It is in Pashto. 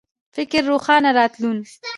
فکر روښانه راتلون